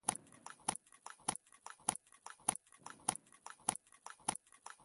دا ځایونه د نجونو د پرمختګ لپاره فرصتونه برابروي.